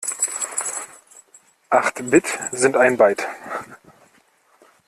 Acht Bit sind ein Byte.